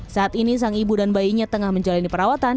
saat ini sang ibu dan bayinya tengah menjalani perawatan